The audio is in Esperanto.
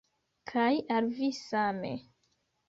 Kaj al vi same.